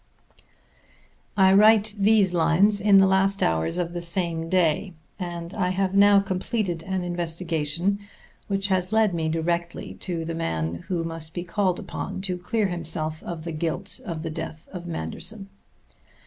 I write these lines in the last hours of the same day; and I have now completed an investigation which has led me directly to the man who must be called upon to clear himself of the guilt of the death of Manderson.